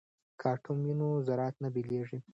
که اټوم وي نو ذرات نه بېلیږي.